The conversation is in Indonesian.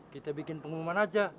kita bikin pengumuman aja